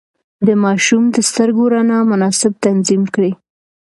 د ماشوم د سترګو رڼا مناسب تنظيم کړئ.